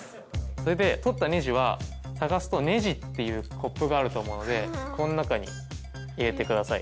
それで取ったネジは探すと「ねじ」っていうコップがあると思うのでこの中に入れてください。